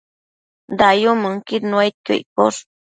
Dayumënquid nuaidquio iccosh